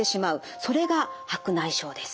それが白内障です。